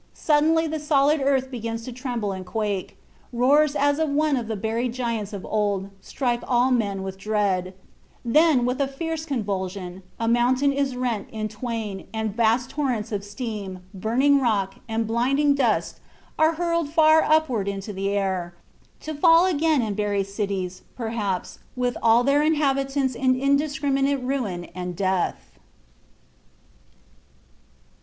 Suddenly the solid earth begins to tremble and quake; roars as of one of the buried giants of old strike all men with dread; then, with a fierce convulsion, a mountain is rent in twain and vast torrents of steam, burning rock, and blinding dust are hurled far upward into the air, to fall again and bury cities, perhaps, with all their inhabitants in indiscriminate ruin and death.